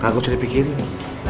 kakak gue jadi pikirin nih